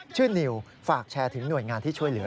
นิวฝากแชร์ถึงหน่วยงานที่ช่วยเหลือ